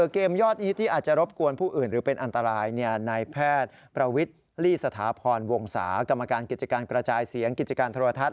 คุณกรรมการกิจการกระจายเสียงกิจการโทรทัศน์